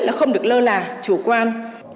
là không được lơ là chủ quan